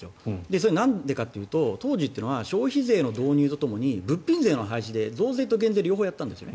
それはなんでかというと当時というのは消費税の導入とともに物品税の廃止で増税と減税を両方やったんです。